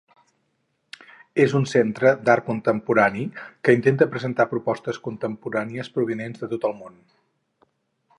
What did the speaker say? És un centre d'art contemporani que intenta presentar propostes contemporànies provinents de tot el món.